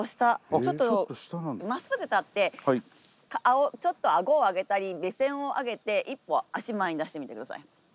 ちょっとまっすぐ立ってちょっと顎を上げたり目線を上げて１歩足前に出してみて下さい。